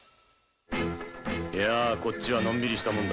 いやあこっちはのんびりしたもんだ。